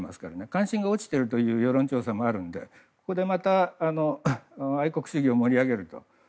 関心が落ちているという世論調査もあるのでここで、また愛国主義を盛り上げると。